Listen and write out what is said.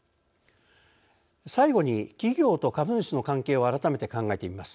最後に、企業と株主の関係を改めて考えてみます。